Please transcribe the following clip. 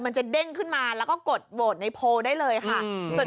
มันจะเด้งขึ้นมาแล้วก็กดโหวตในโพลได้เลยค่ะ